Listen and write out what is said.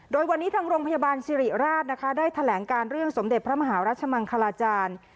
โดยวันนี้ทางโรงพยาบาลสิริราชนะคะได้แถลงการเรื่องสมเด็จพระมหารัชมังคลาจารย์